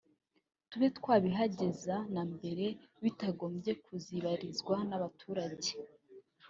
tube twabihageza na mbere bitagombye kuzibarizwa n’abaturage